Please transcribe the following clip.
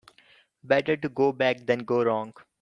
Better to go back than go wrong.